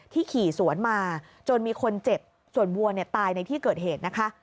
ขี่สวนมาจนมีคนเจ็บส่วนวัวตายในที่เกิดเหตุนะคะ